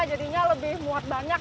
jadinya lebih muat banyak